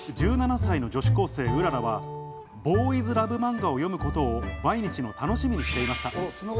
１７歳の女子高生・うららはボーイズ・ラブ漫画を読むことを毎日の楽しみにしていました。